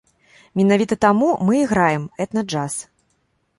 Менавіта таму мы і граем этна-джаз.